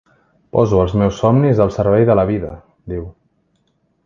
Poso els meus somnis al servei de la vida, diu.